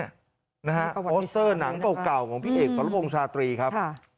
โอนเซอร์หนังเก่าของพี่เอกสรพงษ์ชาตรีครับ